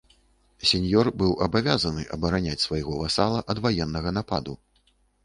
Сеньёр быў абавязаны абараняць свайго васала ад ваеннага нападу.